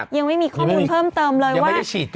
ยังไม่มีข้อมูลเพิ่มเติมเลยว่า